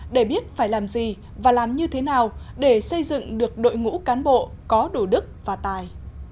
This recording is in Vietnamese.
để biết phải làm gì và làm như thế nào để xây dựng được đội ngũ cán bộ có đủ đức và tài